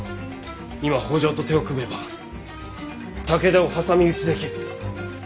今北条と手を組めば武田を挟み撃ちできる。